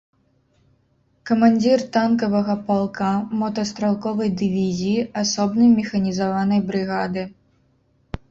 Камандзір танкавага палка, мотастралковай дывізіі, асобнай механізаванай брыгады.